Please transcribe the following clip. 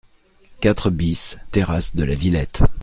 quatre BIS terrasse de la Villette